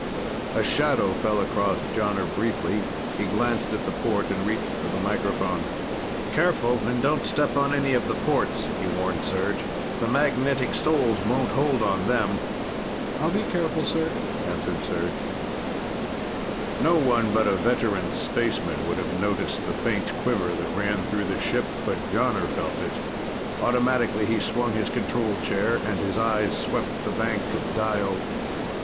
A shadow fell across Jonner briefly. He glanced at the port and reached for the microphone. "Careful and don't step on any of the ports," he warned Serj. "The magnetic soles won't hold on them." "I'll be careful, sir," answered Serj. No one but a veteran spaceman would have noticed the faint quiver that ran through the ship, but Jonner felt it. Automatically, he swung his control chair and his eyes swept the bank of dials.